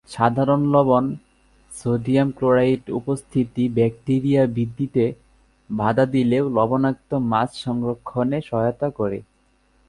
সাধারণ লবণ, সোডিয়াম ক্লোরাইডের উপস্থিতি ব্যাকটিরিয়া বৃদ্ধিতে বাধা দিয়ে লবণাক্ত মাছ সংরক্ষণে সহায়তা করে।